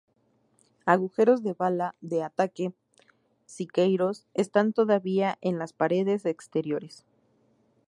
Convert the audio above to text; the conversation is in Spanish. Agujeros de bala de ataque Siqueiros están todavía en las paredes exteriores.